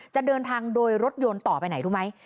จะเดินทางโดยรถยนต์ต่อไปไหนรู้ไหม